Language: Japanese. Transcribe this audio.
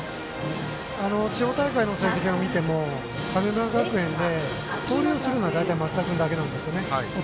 地方大会の成績を見ても神村学園、盗塁をするのは増田君だけなんです。